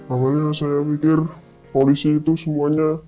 awalnya saya pikir polisi itu semuanya